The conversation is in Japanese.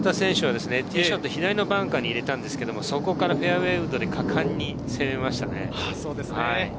岩田選手はティーショット、左のバンカーに入れたんですが、そこからフェアウエーウッドで果敢に攻めましたね。